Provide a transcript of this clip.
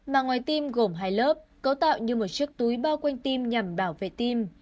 mà ngoài tim gồm hai lớp cấu tạo như một chiếc túi bao quanh tim nhằm bảo vệ tim